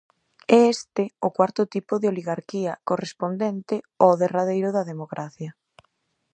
E este é o cuarto tipo de oligarquía, correspondente ó derradeiro da democracia.